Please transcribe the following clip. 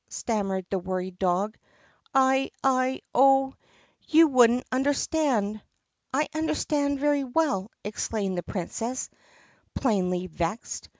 stammered the worried dog, "I — I — oh, you would n't understand!" "I understand very well!" exclaimed the Princess, plainly vexed.